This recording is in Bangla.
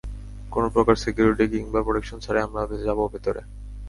কোনো প্রকার সিকিউরিটি কিংবা প্রটেকশন ছাড়াই আমি যাব ভেতরে।